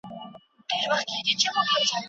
د وریښمینو پردو شاته د ګام شرنګ شو